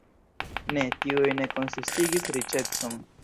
Ne, tiuj ne konsistigis riĉecon.